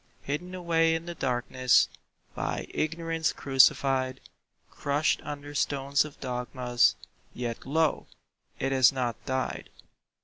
Hidden away in the darkness, By Ignorance crucified, Crushed under stones of dogmas— Yet lo! it has not died.